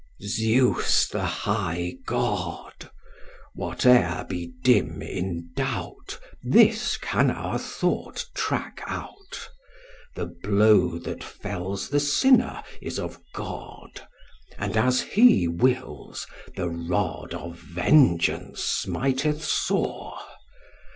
"Zeus the high God! Whate'er be dim in doubt, This can our thought track out The blow that fells the sinner is of God, And as he wills, the rod Of vengeance smiteth sore.